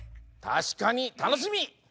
たしかにたのしみ！